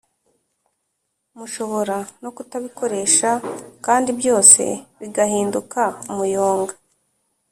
mushobora no kutabikoresha kandi byose bigahinduka umuyonga,